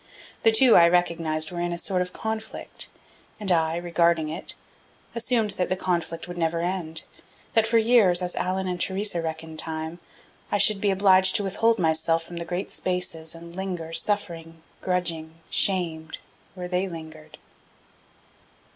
The two, I recognized, were in a sort of conflict; and I, regarding it, assumed that the conflict would never end; that for years, as Allan and Theresa reckoned time, I should be obliged to withhold myself from the great spaces and linger suffering, grudging, shamed, where they lingered.